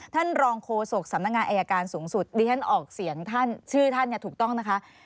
ท่านรองโฆษกสำนักงานอายการสูงสุดดิฉันออกเสียงท่านชื่อท่านเนี่ยถูกต้องนะคะ